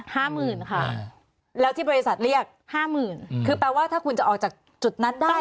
ห้าหมื่นค่ะแล้วที่บริษัทเรียกห้าหมื่นคือแปลว่าถ้าคุณจะออกจากจุดนั้นได้